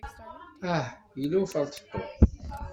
Ah, yella uferṭeṭṭu!